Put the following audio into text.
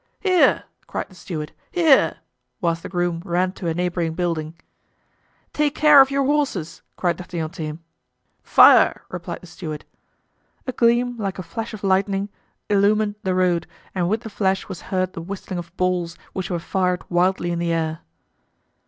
"Here!" cried the steward, "here!" whilst the groom ran to a neighboring building. "Take care of your horses!" cried D'Artagnan to him. "Fire!" replied the steward. A gleam, like a flash of lightning, illumined the road, and with the flash was heard the whistling of balls, which were fired wildly in the air.